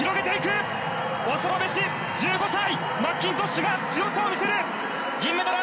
恐るべし１５歳マッキントッシュが強さを見せる。